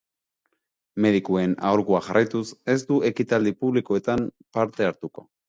Medikuen aholkua jarraituz, ez du ekitaldi publikoetan parte hartuko.